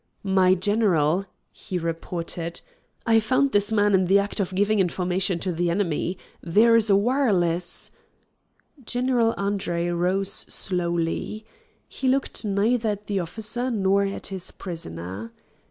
"My general," he reported, "I found this man in the act of giving information to the enemy. There is a wireless " General Andre rose slowly. He looked neither at the officer nor at his prisoner.